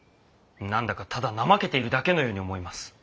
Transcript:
何だかただ怠けているだけのように思います。